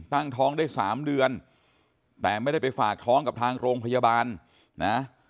ตั้งท้องได้สามเดือนแต่ไม่ได้ไปฝากท้องกับทางโรงพยาบาลนะ